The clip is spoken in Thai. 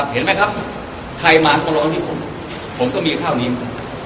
เห็นไหมครับใครมาตรงนี้ผมผมก็มีข้าวนี้มา